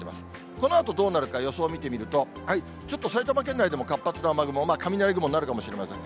そのあとどうなるか、予想を見てみると、ちょっと埼玉県内でも活発な雨雲、雷雲になるかもしれません。